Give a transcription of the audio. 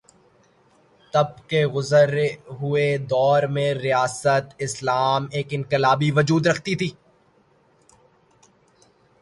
تب کے گزرے ہوئے دور میں ریاست اسلام ایک انقلابی وجود رکھتی تھی۔